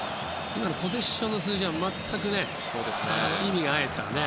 今のポゼッションの数字は全く意味がないですからね。